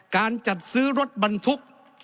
การจัดซื้อรถบรรทุก